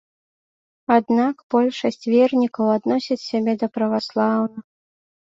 Аднак большасць вернікаў адносяць сябе да праваслаўных.